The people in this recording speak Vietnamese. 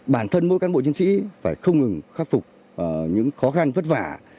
bản thân mỗi cán bộ chiến sĩ phải không ngừng khắc phục những khó khăn vất vả